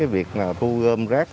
việc thu gom rác